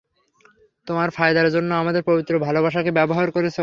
তোমার ফায়দার জন্য আমাদের পবিত্র ভালবাসাকে ব্যবহার করেছ?